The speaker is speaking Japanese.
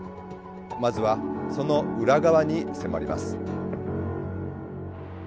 まずはその裏側に迫ります。